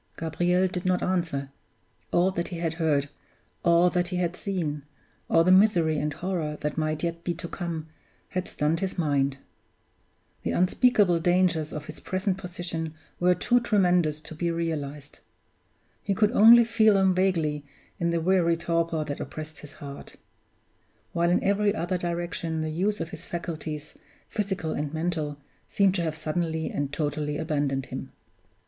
Gabriel did not answer. All that he had heard, all that he had seen, all the misery and horror that might yet be to come, had stunned his mind. The unspeakable dangers of his present position were too tremendous to be realized. He could only feel them vaguely in the weary torpor that oppressed his heart; while in every other direction the use of his faculties, physical and mental, seemed to have suddenly and totally abandoned him.